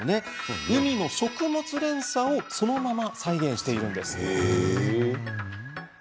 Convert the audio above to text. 海の食物連鎖をそのまま再現しているんです。